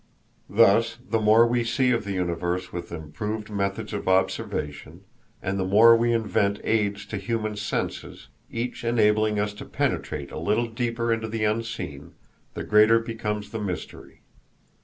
Thus the more we see of the universe with improved methods of observation, and the more we invent aids to human senses, each enabling us to penetrate a little deeper into the unseen, the greater becomes the mystery.